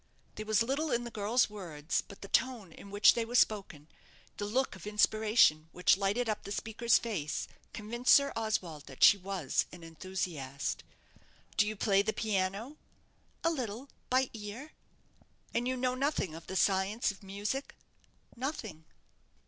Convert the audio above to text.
There was little in the girl's words, but the tone in which they were spoken, the look of inspiration which lighted up the speaker's face, convinced Sir Oswald that she was an enthusiast. "Do you play the piano?" "A little; by ear." "And you know nothing of the science of music?" "Nothing."